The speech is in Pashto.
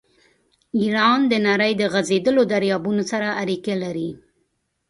ایران د نړۍ د غځېدلو دریابونو سره اړیکې لري.